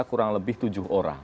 kurang lebih tujuh orang